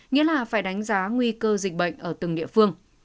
nghĩa là phải đánh giá nguy cơ dịch bệnh ở từng địa phương